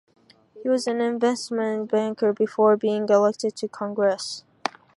He was an investment banker before being elected to Congress.